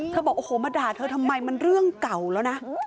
บอกโอ้โหมาด่าเธอทำไมมันเรื่องเก่าแล้วนะ